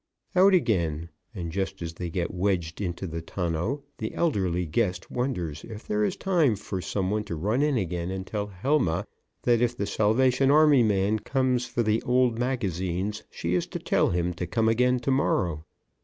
Out again, and just as they get wedged into the tonneau, the elderly guest wonders if there is time for some one to run in again and tell Helma that if the Salvation Army man comes for the old magazines she is to tell him to come again to morrow.